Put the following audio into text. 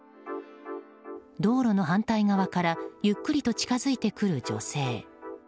道路の反対側からゆっくりと近づいてくる女性。